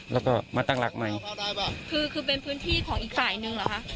แล้วก็มาตั้งหลักใหม่คือคือเป็นพื้นที่ของอีกฝ่ายนึงเหรอคะ